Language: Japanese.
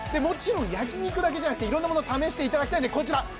もちろん焼き肉だけじゃなくていろんなものを試していただきたいんでこちら